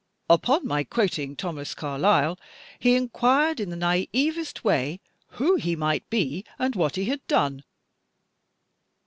Upon my quoting Thomas Carlyle, he inquired in the naivest way who he might be and what he had done."